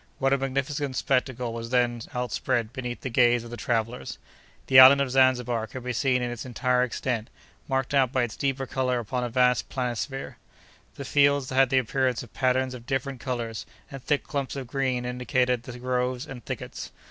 What a magnificent spectacle was then outspread beneath the gaze of the travellers! The island of Zanzibar could be seen in its entire extent, marked out by its deeper color upon a vast planisphere; the fields had the appearance of patterns of different colors, and thick clumps of green indicated the groves and thickets.